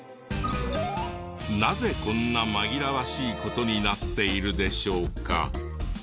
なぜこんな紛らわしい事になっているでしょうか？